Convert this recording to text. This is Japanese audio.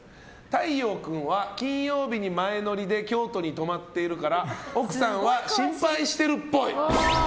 太陽君は金曜日に前乗りで京都に泊まっているから奥さんは心配してるっぽい。